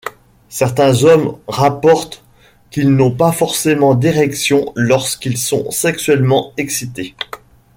Certains hommes rapportent qu'ils n'ont pas forcément d'érection lorsqu'ils sont sexuellement excités.